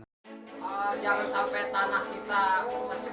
jangan sampai tanah kita terjemah gitu ya